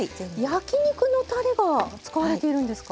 焼き肉のたれが使われているんですか？